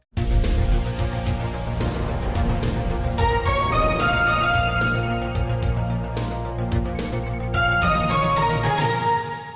มีทั้งหมด๓ส่วนอีก๑๒๐เป็นชาวต่างชาติ